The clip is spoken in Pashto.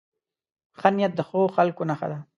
ښه نیت د ښو خلکو نښه ده.